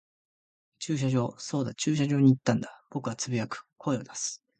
駐車場。そうだ、駐車場に行ったんだ。僕は呟く、声を出す。